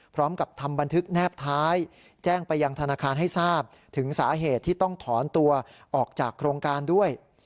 พร้อมกับทำบันทึกแนบท้ายแจ้งไปยังธนาคารให้ทราบถึงสาเหตุที่ต้องถอนตัวออกจากโครงการด้วย